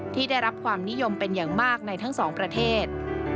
ได้รับความนิยมเป็นอย่างมากในทั้งสองประเทศ